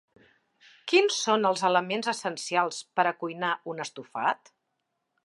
Quins són els elements essencials per a cuinar un estofat?